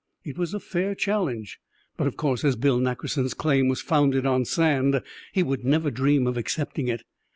It was a fair challenge; but of course, as Bill Nackerson's claim was founded on sand, he would never dream of accepting it.